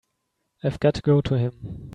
I've got to go to him.